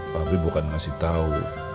papi bukan ngasih tau